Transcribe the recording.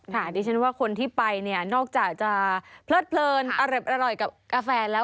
ดิฉันว่าคนที่ไปเนี่ยนอกจากจะเพลิดเพลินอร่อยกับกาแฟแล้ว